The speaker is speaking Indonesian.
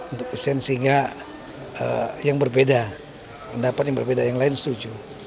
untuk pesen sehingga yang berbeda pendapat yang berbeda yang lain setuju